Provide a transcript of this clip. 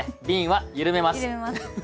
びんはゆるめます。